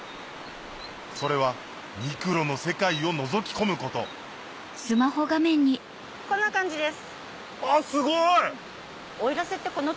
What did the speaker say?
それはミクロの世界をのぞき込むことこんな感じです。